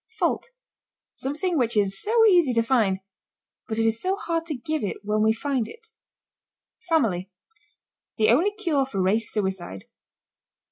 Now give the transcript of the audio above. FAULT. Something which is so easy to find, but it is so hard to give it when we find it. FAMILY. The only cure for race suicide.